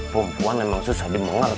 perempuan emang susah di mengerti